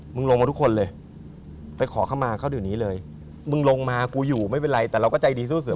มึงก็บอกว่าไม่เป็นไรแต่เราก็ใจดีสู้เสือก